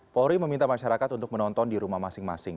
polri meminta masyarakat untuk menonton di rumah masing masing